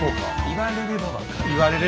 言われれば分かる。